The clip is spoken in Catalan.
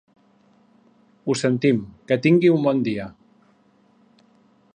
Ho sentim, que tingui un bon dia.